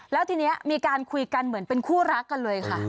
แล้วทีนี้มีการคุยกันเหมือนเป็นคู่รักกันเลยค่ะ